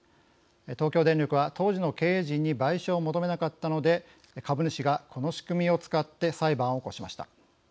東京電力は当時の経営陣に賠償を求めなかったので株主がこの仕組みを使って裁判を起こしました。